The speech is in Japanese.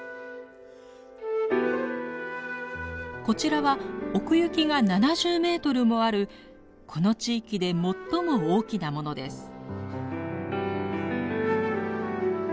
こちらは奥行きが７０メートルもあるこの地域で最も大きなものです。